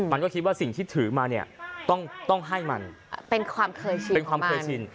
มันก็คิดว่าสิ่งที่ถือมาเนี่ยต้องให้มันเป็นความเคยชินของมัน